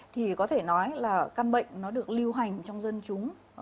thì có thể nói là căn bệnh nó được lưu hành trong dân chúng